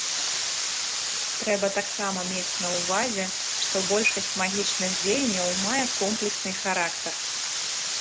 Трэба таксама мець на ўвазе, што большасць магічных дзеянняў мае комплексны характар.